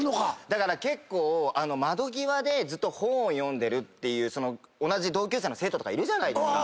だから結構窓際でずっと本を読んでるっていう同じ同級生の生徒とかいるじゃないですか。